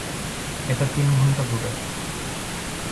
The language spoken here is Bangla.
এটা তিন ঘন্টা দূরে।